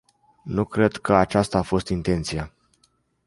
Nu cred că aceasta a fost intenția.